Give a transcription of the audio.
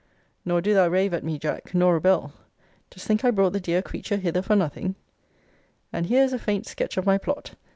Nor do thou rave at me, Jack, nor rebel. Dost think I brought the dear creature hither for nothing? And here's a faint sketch of my plot.